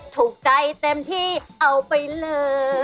ถูกใจเต็มที่เอาไปเลย